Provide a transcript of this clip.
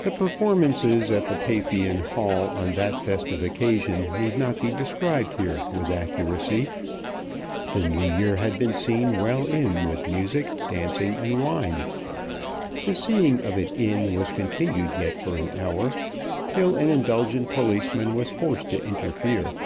The performances at the Paphian Hall on that festive occasion need not be described here with accuracy. The New Year had been seen well in with music, dancing, and wine. The seeing of it in was continued yet for an hour, till an indulgent policeman was forced to interfere.